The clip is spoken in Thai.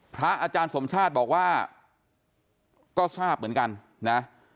พระอาจารย์สมชาติบอกว่าก็ทราบเหมือนกันนะ